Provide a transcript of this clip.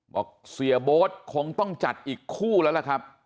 บอกเสียโบ๊ทคงต้องจัดอีกคู่แล้วล่ะครับ